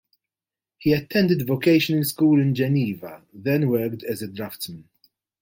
He attended vocational school in Geneva then worked as a draftsman.